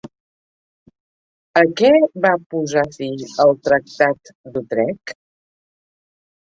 A què va posar fi el Tractat d'Utrecht?